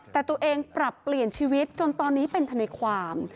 แต่ตัวเองปรับเปลี่ยนชีวิตจนตอนนี้เป็นทนายความ